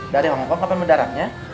dari hongkong kapan mendaratnya